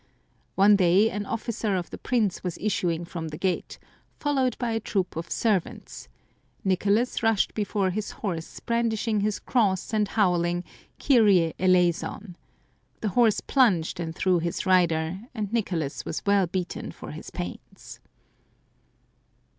One day an officer of the prince was issuing from the gate, followed by a troop of servants, Nicolas rushed before his horse brandishing his cross and howling, " Kyrie eleison 1 " The horse plunged and threw his rider, and Nicolas was well beaten for his pains.